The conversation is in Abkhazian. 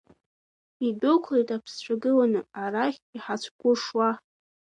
Идәықәлеит аԥсцәа гыланы, арахь иҳацәгәышуа.